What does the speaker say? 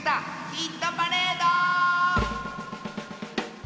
ヒットパレード」！